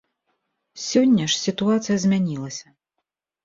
Сёння ж сітуацыя змянілася.